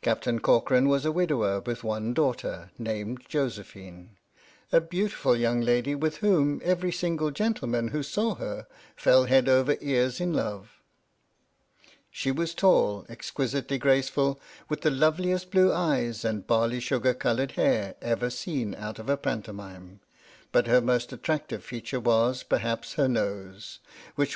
Captain Corcoran was a widower with one daugh ter, named Josephine, a beautiful young lady with whom every single gentleman who saw her fell head over ears in love. She was tall, exquisitely grace ful, with the loveliest blue eyes and barley sugar coloured hair ever seen out of a Pantomime, but her most attractive feature was, perhaps, her nose, which was neither too long nor too short, nor too narrow nor too broad, nor too straight.